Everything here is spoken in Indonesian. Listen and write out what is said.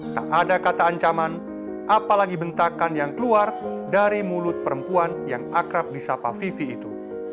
tak ada kata ancaman apalagi bentakan yang keluar dari mulut perempuan yang akrab di sapa vivi itu